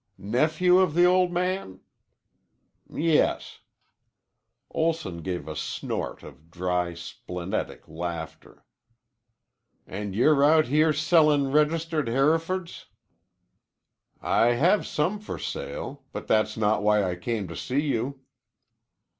"Nephew of the old man?" "Yes." Olson gave a snort of dry, splenetic laughter. "And you're out here sellin' registered Herefords." "I have some for sale. But that's not why I came to see you."